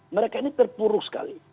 mereka ini terpuruk sekali